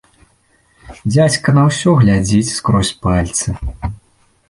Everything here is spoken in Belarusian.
Дзядзька на ўсё глядзіць скрозь пальцы.